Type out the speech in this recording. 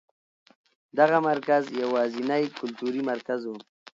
دغه مرکز یوازېنی کلتوري مرکز و.